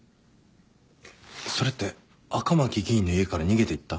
それって赤巻議員の家から逃げていった？